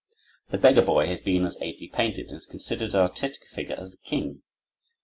The beggar boy has been as ably painted, and is considered as artistic a figure as the king.